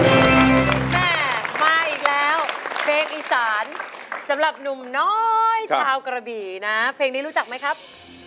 แม่มาอีกแล้วเพลงอีสานสำหรับหนุ่มน้อยชาวกระบี่นะเพลงนี้รู้จักไหมครับ